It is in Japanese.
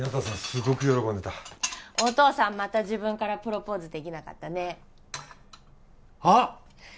すごく喜んでたお父さんまた自分からプロポーズできなかったねあっ！